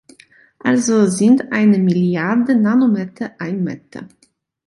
Also sind eine Milliarde Nanometer ein Meter.